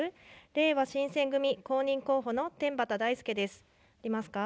れいわ新選組公認候補の天畠大輔です。いけますか。